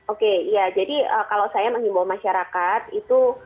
oke ya jadi kalau saya menghimbau masyarakat itu